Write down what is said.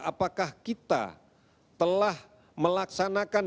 apakah kita telah melaksanakan